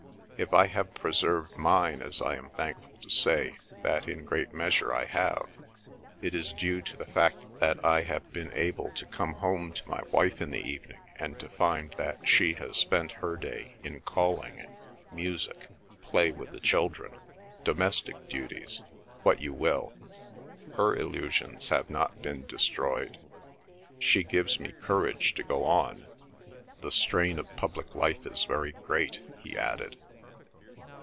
If I have preserved mine, as I am thankful to say that in great measure I have, it is due to the fact that I have been able to come home to my wife in the evening and to find that she has spent her day in calling, music, play with the children, domestic duties—what you will; her illusions have not been destroyed. She gives me courage to go on. The strain of public life is very great," he added.